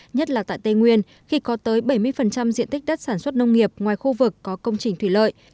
nhất là tại tây nguyên khi có tới bảy mươi diện tích đất sản xuất nông nghiệp ngoài khu vực có công trình thủy lợi